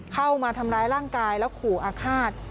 เข้ามาทำร้ายร่างกายแล้วขู่อาฆาต